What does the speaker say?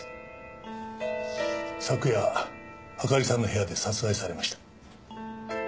昨夜あかりさんの部屋で殺害されました。